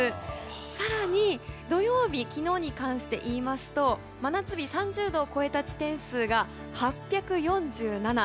更に、土曜日昨日に関して言いますと真夏日３０度を超えた地点数が８４７。